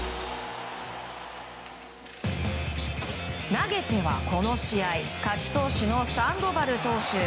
投げては、この試合勝ち投手のサンドバル投手。